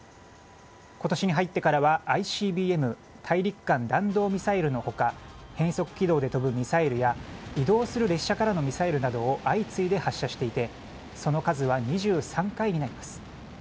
ことしに入ってからは、ＩＣＢＭ・大陸間弾道ミサイルのほか、変則軌道で飛ぶミサイルや、移動する列車からのミサイルなどを相次いで発射していて、その数は２３回になります。